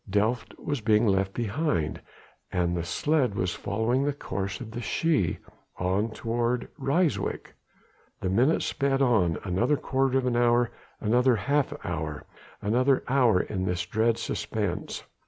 Delft was being left behind, and the sledge was following the course of the Schie ... on toward Ryswyk.... The minutes sped on, another quarter of an hour, another half hour, another hour in this dread suspense.